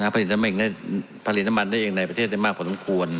ผลิตผลิตน้ำมันได้เองในประเทศได้มากพอสมควร